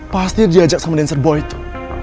pasti diajak sama danser boy itu